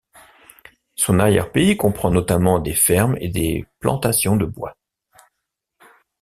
Son arrière-pays comprend notamment des fermes et des plantations de bois.